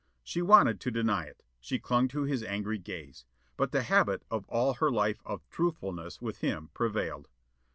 She wanted to deny it. She clung to his angry gaze. But the habit of all her life of truthfulness with him prevailed.